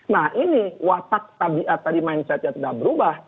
nah ini watak tadi mindsetnya tidak berubah